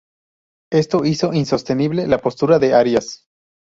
Esto hizo insostenible la postura de Arias.